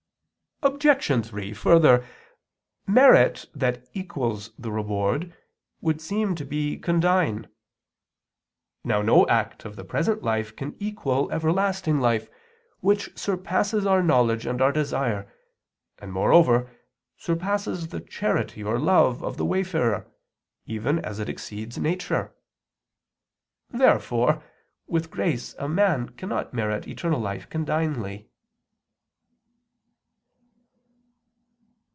Obj. 3: Further, merit that equals the reward, would seem to be condign. Now no act of the present life can equal everlasting life, which surpasses our knowledge and our desire, and moreover, surpasses the charity or love of the wayfarer, even as it exceeds nature. Therefore with grace a man cannot merit eternal life condignly.